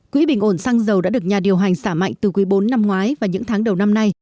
quỹ bình ổn xăng dầu đã được nhà điều hành xả mạnh từ quý bốn năm ngoái và những tháng đầu năm nay